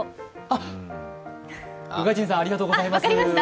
あっ、宇賀神さん、ありがとうございます。